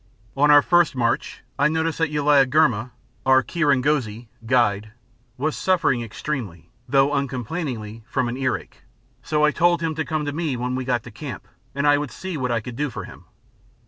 On our first march I noticed that Uliagurma, our kirongozi (guide), was suffering extremely, though uncomplainingly, from earache, so I told him to come to me when we got to camp and I would see what I could do for him.